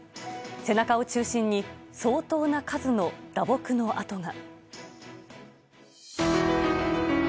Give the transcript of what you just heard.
背中を中心に相当な家族の打撲の痕が。